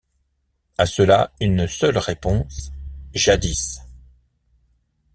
À cela une seule réponse: Jadis.